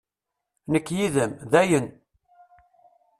Nekk yid-m, dayen!